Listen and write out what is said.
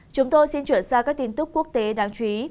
chúng tôi xin chuyển sang các tin tức quốc tế đáng chú ý